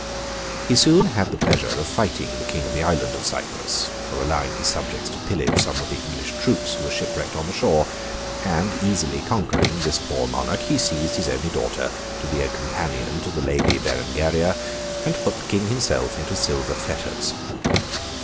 He soon had the pleasure of fighting the King of the Island of Cyprus, for allowing his subjects to pillage some of the English troops who were shipwrecked on the shore; and easily conquering this poor monarch, he seized his only daughter, to be a companion to the lady Berengaria, and put the King himself into silver fetters.